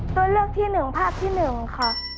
ตัวเลือกที่๑ภาพที่๑ขอบคุณครับ